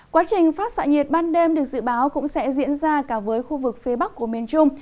quá trình phát xạ nhiệt ban đêm được dự báo cũng sẽ diễn ra cả với khu vực phía bắc của miền trung